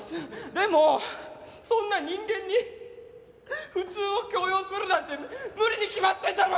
でもそんな人間に普通を強要するなんて無理に決まってるだろ！